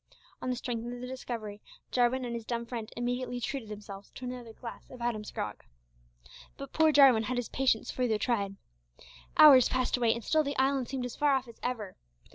On the strength of the discovery Jarwin and his dumb friend immediately treated themselves to another glass of Adam's grog. But poor Jarwin had his patience further tried. Hours passed away, and still the island seemed as far off as ever.